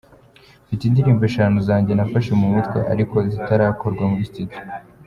Mfite indirimbo eshanu zanjye nafashe mu mutwe ariko zitarakorwa muri studio.